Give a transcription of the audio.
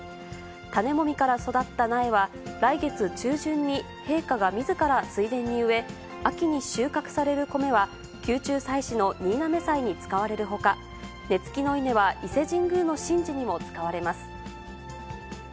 種もみから育った苗は、来月中旬に陛下がみずから水田に植え、秋に収穫される米は、宮中祭祀の新嘗祭に使われるほか、根付きの稲は伊勢神宮の神事にも使われます。